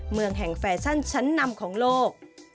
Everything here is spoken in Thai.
เมืองแห่งแฟชั่นชั้นนำของโลก